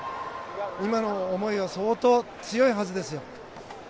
今の思いは相当強いはずですよ。